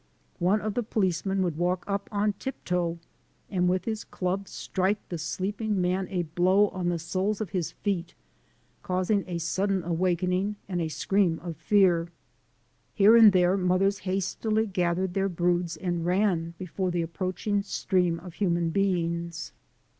One of the policemen would walk up on tiptoe and with his club strike the sleeping man a blow on the soles of his feet, causing a sudden awakening and a scream of fear. Here and there mothers hastily gathered their broods and ran before the approaching stream of human beings.